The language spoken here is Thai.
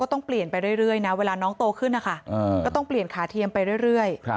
ต้องเปลี่ยนไปเรื่อยนะเวลาน้องโตขึ้นนะคะก็ต้องเปลี่ยนขาเทียมไปเรื่อย